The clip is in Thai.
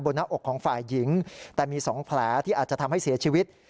หน้าอกของฝ่ายหญิงแต่มี๒แผลที่อาจจะทำให้เสียชีวิต